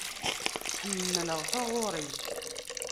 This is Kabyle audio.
Ḥemmleɣ taɣuri.